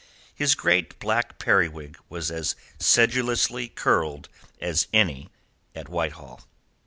His great black periwig was as sedulously curled as any at Whitehall.